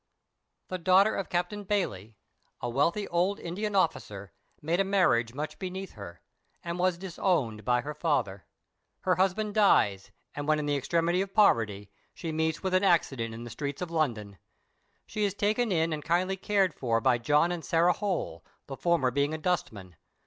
"* [The daughter of Captain Bayley, a wealthy old Indian officer, made a marriage much beneath her, and was disowned by her father. Her husband dies, and when in the extremity of poverty she meets with an accident in the streets of London. She is taken in and kindly cared for by John and Sarah Holl, the former being a dustman.